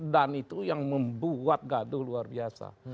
dan itu yang membuat gaduh luar biasa